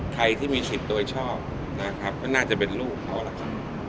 ใครที่มีสิทธิ์โดยชอบนะครับก็น่าจะเป็นลูกเขาล่ะครับ